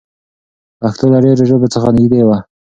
پښتو له ډېرو ژبو څخه نږدې ده.